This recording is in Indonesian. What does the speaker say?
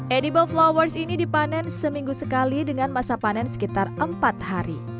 edible flowers ini dipanen seminggu sekali dengan masa panen sekitar empat hari